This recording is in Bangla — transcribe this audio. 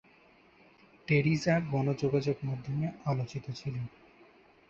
টেরিজা গণযোগাযোগ মাধ্যমে আলোচিত ছিলেন।